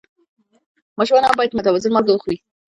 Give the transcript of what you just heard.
ماشومان هم باید متوازن مالګه وخوري.